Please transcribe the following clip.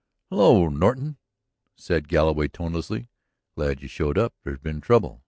"Hello, Norton," said Galloway tonelessly. "Glad you showed up. There's been trouble."